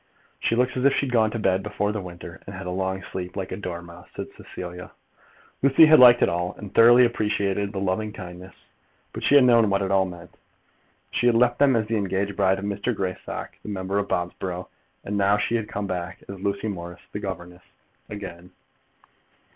"She looks as if she'd gone to bed before the winter, and had a long sleep, like a dormouse," said Cecilia. Lucy had liked it all, and thoroughly appreciated the loving kindness; but she had known what it all meant. She had left them as the engaged bride of Mr. Greystock, the member for Bobsborough; and now she had come back as Lucy Morris, the governess, again.